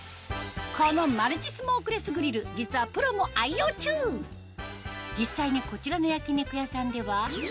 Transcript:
このマルチスモークレスグリル実はプロも愛用中実際にこちらの焼肉屋さんではこのグリルを